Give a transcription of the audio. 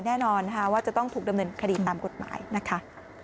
แน่นอนนะคะว่าจะต้องถูกดำเนินคดีตามกฎหมายนะคะ